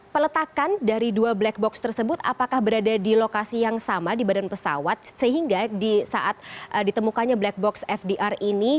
peletakan dari dua black box tersebut apakah berada di lokasi yang sama di badan pesawat sehingga di saat ditemukannya black box fdr ini